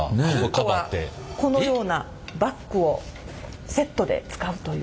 ヒントはこのようなバッグをセットで使うという。